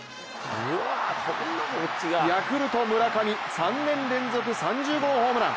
ヤクルト村上、３年連続３０号ホームラン。